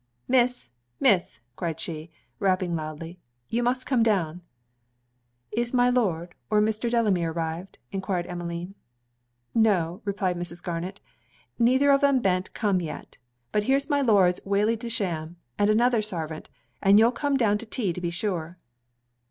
'Miss! Miss!' cried she, rapping loudly, 'you must come down.' 'Is my Lord or Mr. Delamere arrived?' enquired Emmeline. 'No,' replied Mrs. Garnet, 'neither of em be'nt come yet; but here's my Lord's waley de sham, and another sarvent, and you'll come down to tea to be sure.'